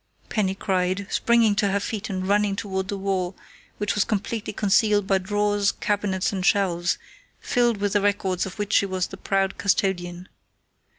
Penny cried, springing to her feet and running toward the wall which was completely concealed by drawers, cabinets and shelves, filled with the records of which she was the proud custodian.